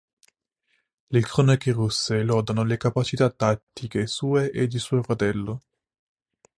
Le cronache russe lodano le capacità tattiche sue e di suo fratello.